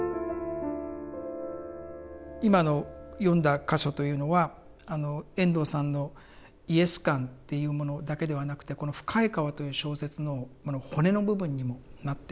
今の読んだ箇所というのは遠藤さんのイエス観っていうものだけではなくてこの「深い河」という小説の骨の部分にもなっていくんです。